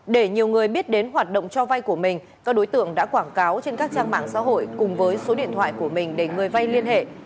để nhiều người biết đến hoạt động cho vay của mình các đối tượng đã quảng cáo trên các trang mạng xã hội cùng với số điện thoại của mình để người vay liên hệ